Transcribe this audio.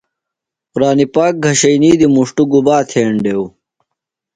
قُرآنی پاک گھشئینی دی مُݜٹوۡ گُباتھینڈیو؟